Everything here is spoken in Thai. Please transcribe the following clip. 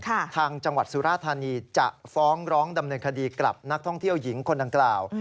ทางจังหวัดสุราธานีจะฟ้องร้องดำเนินคดีกับนักท่องเที่ยวหญิงคนดังกล่าว